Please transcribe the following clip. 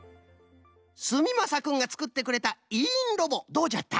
すみまさくんがつくってくれたいいんロボどうじゃった？